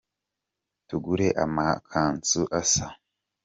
Tugure amakanzu asa.